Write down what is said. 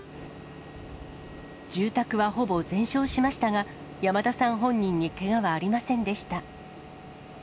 住宅はほぼ全焼しましたが、山田さん本人にけがはありませんでした。